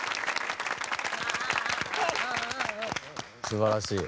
すばらしい。